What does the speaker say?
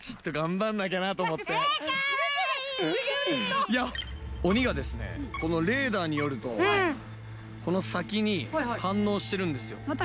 すげえすげえ嬉しそう鬼がですねこのレーダーによるとこの先に反応してるんですよ